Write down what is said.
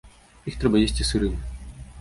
Іх трэба есці сырымі.